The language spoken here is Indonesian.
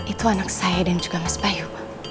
itu anak saya dan juga mas bayu